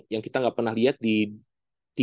yang kita nggak pernah lihat di